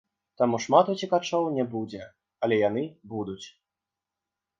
Таму шмат уцекачоў не будзе, але яны будуць.